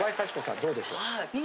どうでしょう。